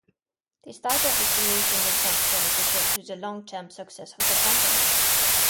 This type of oscillation is not beneficial to the long-term success of the company.